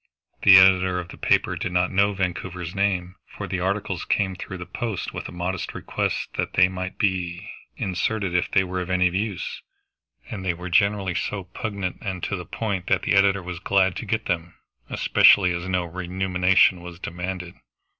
The editor of the paper did not know Vancouver's name, for the articles came through the post with a modest request that they might be inserted if they were of any use; and they were generally so pungent and to the point that the editor was glad to get them, especially as no remuneration was demanded.